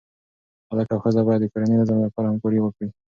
هلک او ښځه باید د کورني نظم لپاره همکاري وکړي.